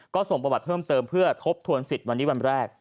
ก็ส่งประวัติเพิ่มเติมเพื่อทบทวนสิทธิ์วันนี้วันแรก